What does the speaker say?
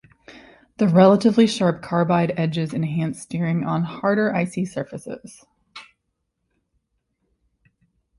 The relatively sharp carbide edges enhance steering on harder icy surfaces.